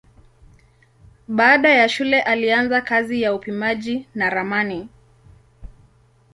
Baada ya shule alianza kazi ya upimaji na ramani.